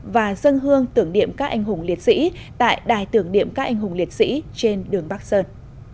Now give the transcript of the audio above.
và dân hương tưởng niệm các anh hùng liệt sĩ tại đài tưởng điểm các anh hùng liệt sĩ trên đường bắc sơn